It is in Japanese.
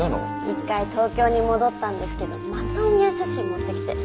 一回東京に戻ったんですけどまたお見合い写真持ってきて。